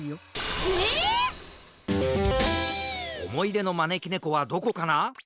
おもいでのまねきねこはどこかな？